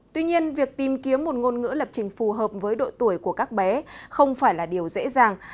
tuy nhiên việc tìm kiếm một ngôn ngữ lập trình phù hợp với độ tuổi của các bé không phải là điều dễ dàng